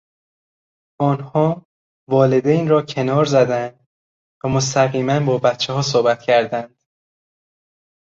آنها والدین را کنار زدند و مستقیما با بچهها صحبت کردند.